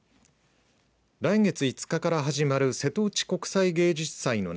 来月５日から始まる瀬戸内国際芸術祭の